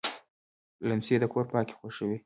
لمسی د کور پاکي خوښوي.